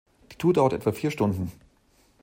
Die Tour dauert etwa vier Stunden.